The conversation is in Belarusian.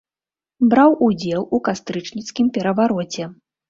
Браў удзел у кастрычніцкім перавароце.